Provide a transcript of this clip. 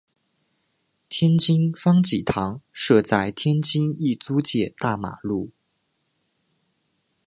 天津方济堂设在天津意租界大马路。